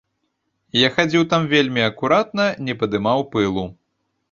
Я хадзіў там вельмі акуратна, не падымаў пылу.